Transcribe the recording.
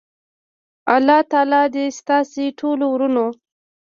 الله تعالی دی ستاسی ټولو ورونو